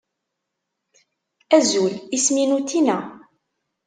Azul, isem-inu Tina.